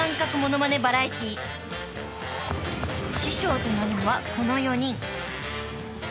［師匠となるのはこの４人］